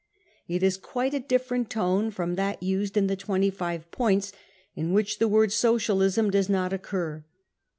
It is quite a different tone from that used in the 25 points, in which the word 44 socialism " does not occur.